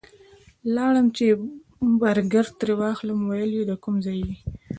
لاړم چې برګر ترې واخلم ویل یې د کوم ځای یې؟